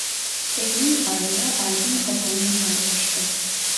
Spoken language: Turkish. Eylül ayında albüm kapağını paylaştı.